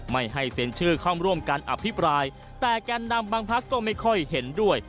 ไม่ให้เส้นชื่อเข้าร่วมการอภิปรายแต่แก่นำภักดิ์บางภักดิ์ก็ไม่ค่อยเห็นด้วย